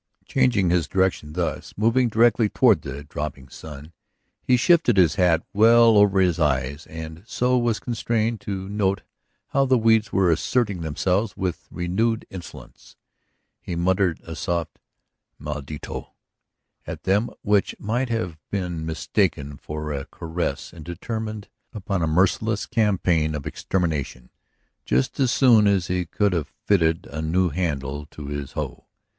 Changing his direction thus, moving directly toward the dropping sun, he shifted his hat well over his eyes and so was constrained to note how the weeds were asserting themselves with renewed insolence. He muttered a soft "maldito!" at them which might have been mistaken for a caress and determined upon a merciless campaign of extermination just as soon as he could have fitted a new handle to his hoe.